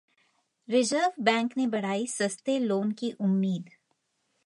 reserve bank ने बढ़ाई सस्ते लोन की उम्मीद